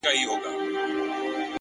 پوه انسان له حقیقت نه تښتي نه’